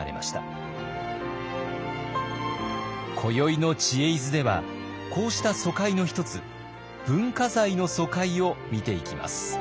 今宵の「知恵泉」ではこうした疎開の一つ文化財の疎開を見ていきます。